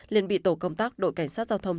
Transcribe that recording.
liên bị tổ công tác đội cảnh sát giao thông